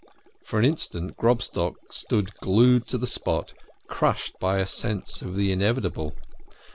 For an instant Grobstock stood glued to the spot, crushed by a sense of the inevitable.